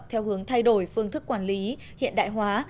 theo hướng thay đổi phương thức quản lý hiện đại hóa